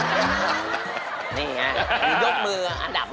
นี่ไงนี่ยกมืออันดับ